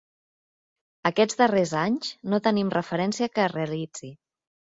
Aquests darrers anys no tenim referència que es realitzi.